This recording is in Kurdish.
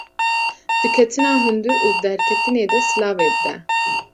Di Ketina hundir û derketinê de silavê bide